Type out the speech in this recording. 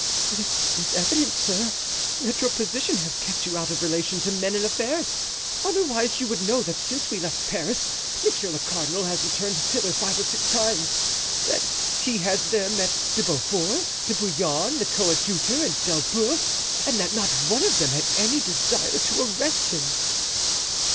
"It is evident, sir, that your position has kept you out of relation to men and affairs; otherwise you would know that since we left Paris monsieur le cardinal has returned thither five or six times; that he has there met De Beaufort, De Bouillon, the coadjutor and D'Elbeuf and that not one of them had any desire to arrest him."